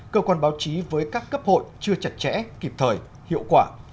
cơ quan báo chí với các cấp hội chưa chặt chẽ kịp thời hiệu quả